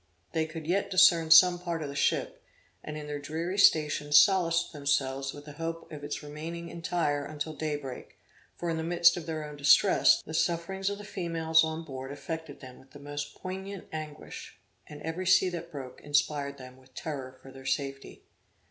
They could yet discern some part of the ship, and in their dreary station solaced themselves with the hope of its remaining entire until day break; for in the midst of their own distress, the sufferings of the females on board affected them with the most poignant anguish; and every sea that broke, inspired them with terror for their safety.